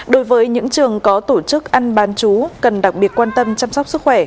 đối với những trường có tổ chức ăn bán chú cần đặc biệt quan tâm chăm sóc sức khỏe